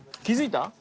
気づいた？